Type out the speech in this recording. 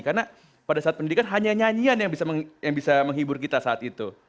karena pada saat pendidikan hanya nyanyian yang bisa menghibur kita saat itu